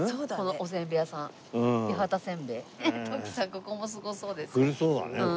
ここもすごそうですよ。